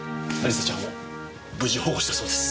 亜里沙ちゃんを無事保護したそうです。